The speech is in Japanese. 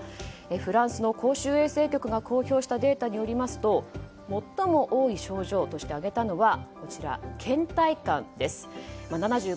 フランスの公衆衛生局が公表したデータによりますと最も多い症状として挙げたのが倦怠感です。